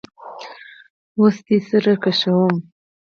وس دي سره کشوم